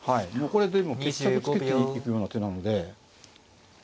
これでも決着つけていくような手なので。